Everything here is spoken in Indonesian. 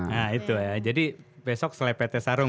nah itu ya jadi besok selepetnya sarung